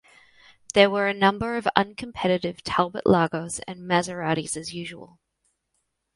There were a number of uncompetitive Talbot-Lagos and Maseratis as usual.